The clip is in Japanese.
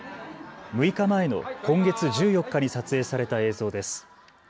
６日前の今月１４日に撮影された映像です。